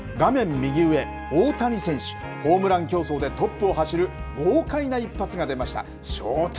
右上、大谷選手、ホームラン競争でトップを走る豪快な一発が出ました。